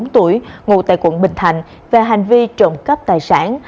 ba mươi bốn tuổi ngủ tại quận bình thạnh về hành vi trộm cấp tài sản